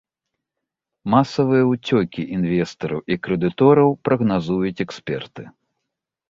Масавыя уцёкі інвестараў і крэдытораў прагназуюць эксперты.